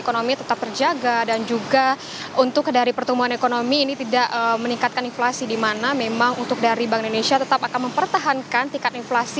kami juga dukung dengan insentif